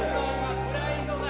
プライドが。